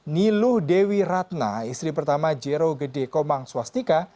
niluh dewi ratna istri pertama jero gede komang swastika